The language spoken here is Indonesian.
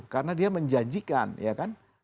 karena dia menjanjikan ya kan